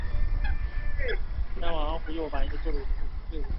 契丹审密人。